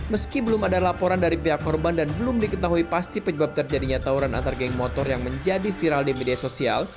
meski belum ada laporan dari pihak korban dan belum diketahui pasti penyebab terjadinya tawuran antar geng motor yang menjadi viral di media sosial